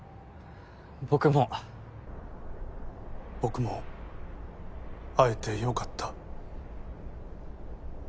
僕も「僕も会えて良かった」。